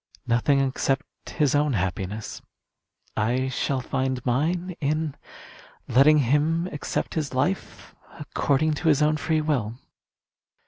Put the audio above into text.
"Nothing except his own happiness. I shall find mine in letting him accept his life according to his own free will."